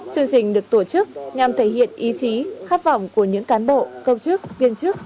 chương trình được tổ chức nhằm thể hiện ý chí khát vọng của những cán bộ công chức viên chức